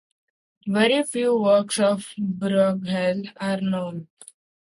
Very few works of Brueghel are known.